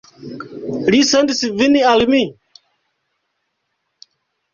Li sendis vin al mi?